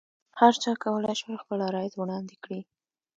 هرچا کولای شول خپل عرایض وړاندې کړي.